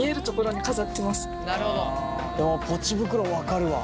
ポチ袋分かるわ。